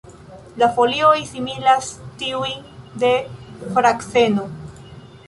La folioj similas tiujn de frakseno.